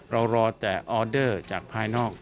รอแต่ออเดอร์จากภายนอก